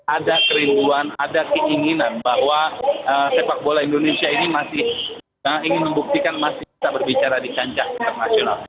ada kerinduan ada keinginan bahwa sepak bola indonesia ini masih ingin membuktikan masih bisa berbicara di kancah internasional